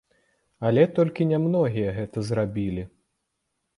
Але толькі нямногія гэта зрабілі.